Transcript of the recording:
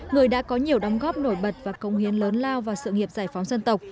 người đã có nhiều đóng góp nổi bật và công hiến lớn lao vào sự nghiệp giải phóng dân tộc